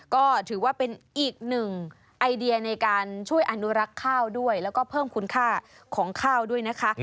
ก็ถือว่าเป็นอีกหนึ่งไอเดียในการช่วยอนุรักษ์ข้าวด้วยแล้วก็เพิ่มคุณค่าของข้าวด้วยนะคะ